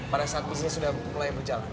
pada saat bisnisnya sudah mulai berjalan